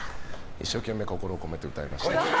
一生懸命心を込めて歌いました。